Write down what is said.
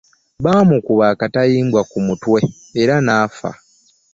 Baamukuba akatayimbwa ku mutwe era nafa.